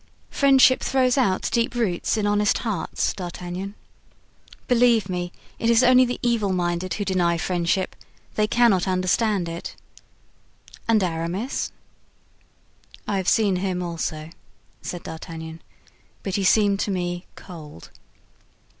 Friendship throws out deep roots in honest hearts, D'Artagnan. Believe me, it is only the evil minded who deny friendship; they cannot understand it. And Aramis?" "I have seen him also," said D'Artagnan; "but he seemed to me cold."